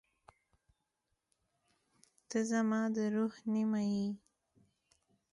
• ته زما د روح نیمه یې.